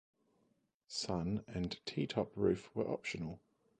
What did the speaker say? Sun and T Top roof were optional.